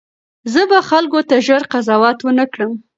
زه به خلکو ته ژر قضاوت ونه کړم.